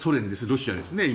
ロシアですね。